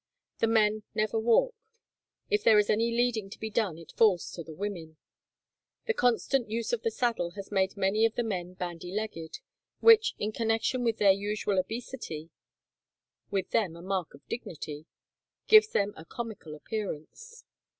The men never walk; if there is any leading to be done it falls to the women. The constant use of the saddle has IV 123 made many of the men bandy legged, which, in connection with their usual obesity, — with them a mark of dignity, — gives them a comical appearance.